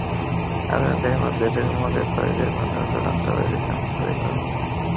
আবেদনকারীদের মধ্য থেকে মৌখিক পরীক্ষার মাধ্যমে চূড়ান্তভাবে প্রশিক্ষণার্থী বাছাই করা হবে।